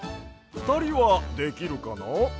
ふたりはできるかな？